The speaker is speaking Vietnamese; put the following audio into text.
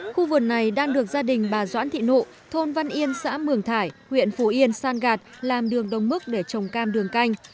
khu vườn này đang được gia đình bà doãn thị nụ thôn văn yên xã mường thải huyện phù yên san gạt làm đường đồng mức để trồng cam đường canh